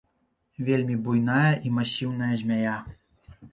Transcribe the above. Вельмі буйная і масіўная змяя.